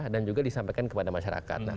dan juga disampaikan kepada masyarakat